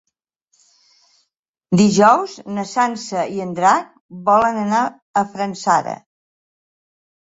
Dijous na Sança i en Drac volen anar a Fanzara.